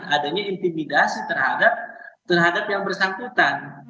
adanya intimidasi terhadap yang bersangkutan